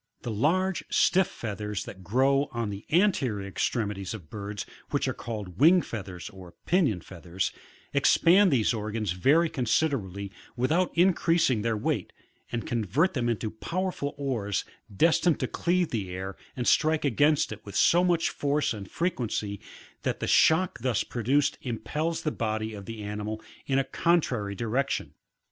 ] 18. The large stiff" feathers that grow on the anterior extremi ties of birds, which are called uing feathers, or pinion feathers, expand these organs very considerably without increasing their weight, and convert them into powerful oars destined to cleave the air, and strike against it with so much force and frequency, that the shock thus produced impels the body of the animal in a con trary direction.